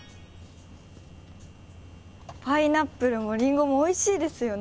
パイナップルもりんごもおいしいですよね。